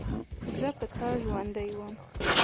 زه په تا ژوندۍ وم.